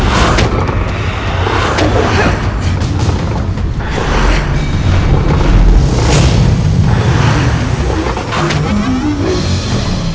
kau akan menjaga aku